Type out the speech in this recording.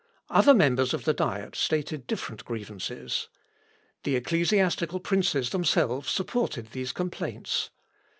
Other members of the Diet stated different grievances. The ecclesiastical princes themselves supported these complaints.